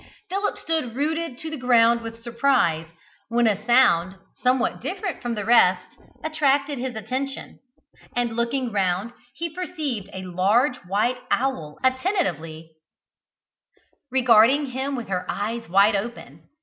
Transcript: Philip stood rooted to the ground with surprise, when a sound, somewhat different from the rest, attracted his attention; and looking round he perceived a large white owl attentively regarding him with her eyes wide open.